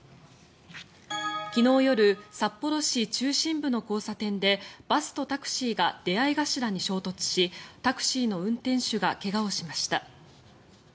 昨日夜、札幌市中心部の交差点でバスとタクシーが出合い頭に衝突しタクシーの運転手が怪我をしました。